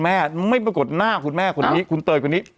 แม่ไม่ปรากฏหน้าคุณแม่คนนี้คุณเตยคนนี้